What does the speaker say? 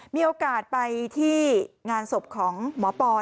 มีโอกาสไปที่งานศพของหมอปอย